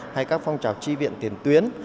hay các phong trào tri viện tiền tuyến